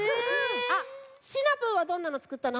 あっシナプーはどんなのつくったの？